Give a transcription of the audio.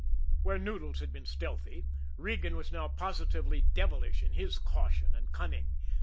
Where Noodles had been stealthy, Regan was now positively devilish in his caution and cunning.